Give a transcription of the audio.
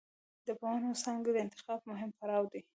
د پوهنتون څانګې د انتخاب مهم پړاو دی.